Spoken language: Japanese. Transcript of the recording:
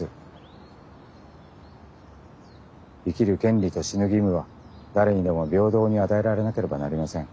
生きる権利と死ぬ義務は誰にでも平等に与えられなければなりません。